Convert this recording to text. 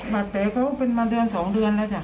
บาดแผลเขาเป็นมาเดือน๒เดือนแล้วจ้